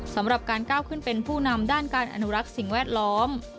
สำหรับการก้าวขึ้นเป็นผู้นำด้านการอนุรักษ์สิ่งแวดล้อม